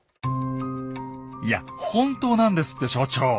いや本当なんですって所長。